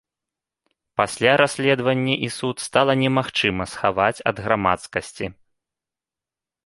Пасля расследаванне і суд стала немагчыма схаваць ад грамадскасці.